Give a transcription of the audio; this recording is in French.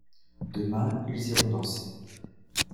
Demain ils iront danser.